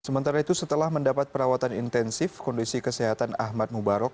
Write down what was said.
sementara itu setelah mendapat perawatan intensif kondisi kesehatan ahmad mubarok